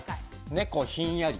猫ひんやり。